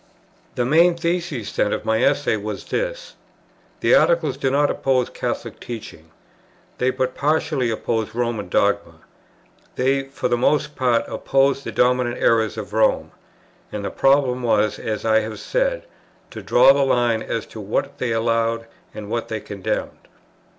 The main thesis then of my Essay was this: the Articles do not oppose Catholic teaching; they but partially oppose Roman dogma; they for the most part oppose the dominant errors of Rome. And the problem was, as I have said, to draw the line as to what they allowed and what they condemned.